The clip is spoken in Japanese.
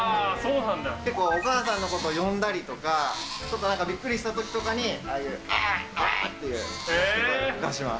結構、お母さんのことを呼んだりとか、ちょっとなんかびっくりしたときなんかに、ああいう、あっ、あっという声を出します。